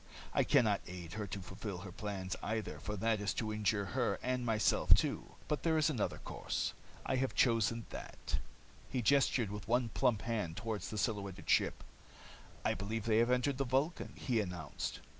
I can not aid her to fulfill her plans, either, for that is to injure her and myself too. But there is another course. I have chosen that." He gestured with one plump hand toward the silhouetted ship. "I believe they have entered the Vulcan," he announced.